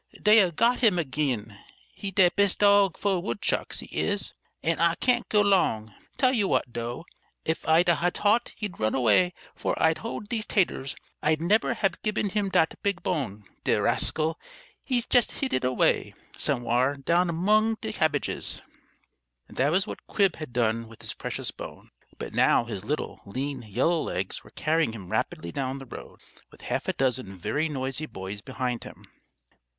"Dey'e got him agin. He's de bes' dog for woodchucks, he is! An' I can't go 'long. Tell you wot, dough, if I'd ha' t'ought he'd run away 'fore I'd hoed dese taters, I'd nebber hab gibben him dat big bone. De rascal! He's jes' hid it away, somewhar, down 'mong de cabbages." That was what Quib had done with his precious bone; but now his little, lean, yellow legs were carrying him rapidly down the road, with half a dozen very noisy boys behind him.